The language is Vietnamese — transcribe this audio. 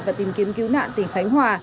và tìm kiếm cứu nạn tỉnh khánh hòa